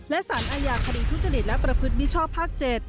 และสารอาญาคดีทุจริตและประพฤติมิชชอบภาค๗